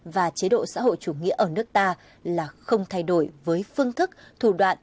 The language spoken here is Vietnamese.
và chế độ xã hội chủ nghĩa ở nước ta là không thay đổi với phương thức thủ đoạn